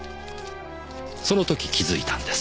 その時気づいたんです。